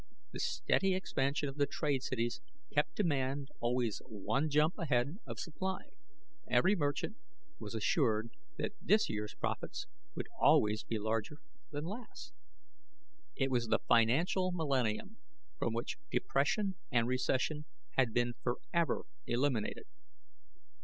The steady expansion of the trade cities kept demand always one jump ahead of supply; every merchant was assured that this year's profits would always be larger than last. It was the financial millennium, from which depression and recession had been forever eliminated.